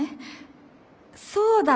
そうだ！